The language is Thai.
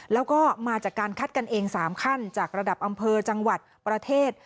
แล้วก็มาจากการคัดกันเอง๓ขั้นจากระดับอำเภอจังหวัดประเทศ